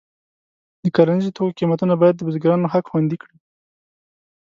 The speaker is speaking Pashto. د کرنیزو توکو قیمتونه باید د بزګرانو حق خوندي کړي.